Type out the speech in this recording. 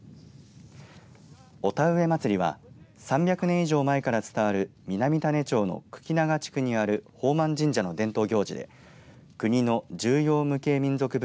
御田植祭は３００年以上前から伝わる南種子町の茎永地区にある宝満神社の伝統行事で国の重要無形民俗